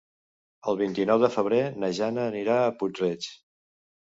El vint-i-nou de febrer na Jana anirà a Puig-reig.